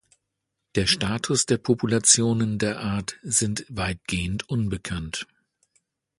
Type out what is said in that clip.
Der Status der Populationen der Art sind weitgehend unbekannt.